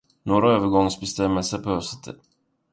Några övergångsbestämmelser behövs inte.